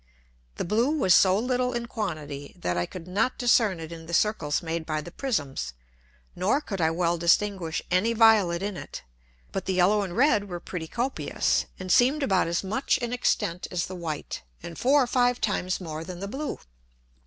The blue was so little in quantity, that I could not discern it in the Circles made by the Prisms, nor could I well distinguish any violet in it, but the yellow and red were pretty copious, and seemed about as much in extent as the white, and four or five times more than the blue.